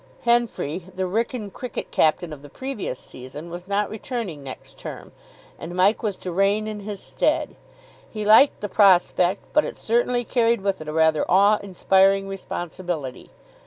Henfrey, the Wrykyn cricket captain of the previous season, was not returning next term, and Mike was to reign in his stead. He liked the prospect, but it certainly carried with it a rather awe inspiring responsibility.